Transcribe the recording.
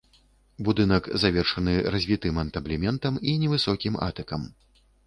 Будынак завершаны развітым антаблементам і невысокім атыкам.